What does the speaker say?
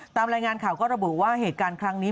ตามรายงานข่าวก็ระบุว่าเหตุการณ์ครั้งนี้